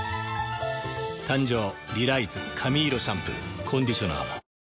誕生「リライズ髪色シャンプー」コンディショナーも。